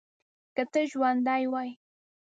که ته ژوندی وای.